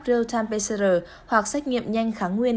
real time pcr hoặc sách nghiệm nhanh kháng nguyên